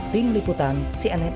tim liputan cnn indonesia